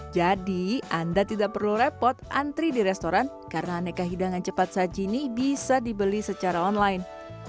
jadi anda tidak perlu repot antri di restoran karena aneka hidangan cepat saji ini bisa dibeli secara online